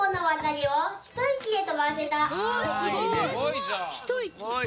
おすごい！